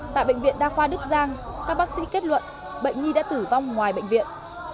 tại bệnh viện đa khoa đức giang các bác sĩ kết luận bệnh nhi đã tử vong ngoài bệnh viện